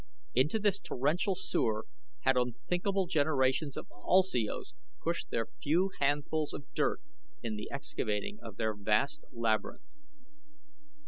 Into this torrential sewer had unthinkable generations of ulsios pushed their few handsful of dirt in the excavating of their vast labyrinth.